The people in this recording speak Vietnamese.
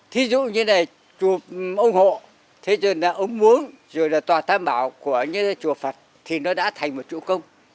thí dụ như này chùa ông hộ thế rồi là ông muốn rồi là tòa than bảo của những chùa phật thì nó đã thành một chủ công